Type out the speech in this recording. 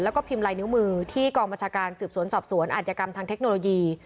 แล้วก็พิมพ์ลายนิ้วมือที่กองบัญชาการสืบสวนสอบสวนอาจยกรรมทางเทคโนโลยี